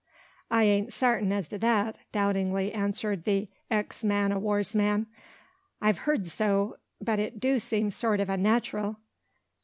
"I ain't sartin as to that," doubtingly answered the ex man o' war's man. "I've heerd so: but it do seem sort o' unnat'ral."